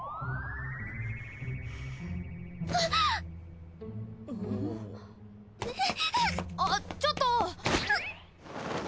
あっちょっと！